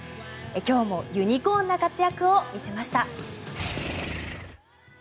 今日もユニコーンな活躍を見せました。